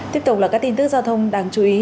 tiếp tục là các tin tức giao thông đáng chú ý